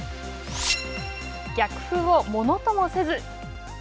逆風をものともせず。